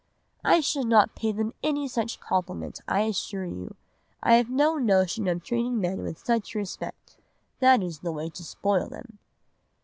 "'I shall not pay them any such compliment, I assure you. I have no notion of treating men with such respect. That is the way to spoil them.